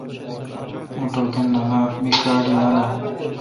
اوں ٹوکن نالاں آں می کارڈ یالہ؟